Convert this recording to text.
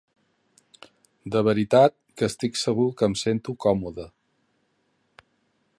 De veritat que estic segur que em sento còmode!